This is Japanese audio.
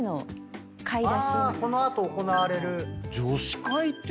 この後行われる。